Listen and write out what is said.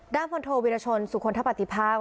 ด้านฝนโทวิรชนสุขลทธปฏิภาค